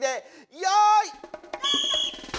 よい！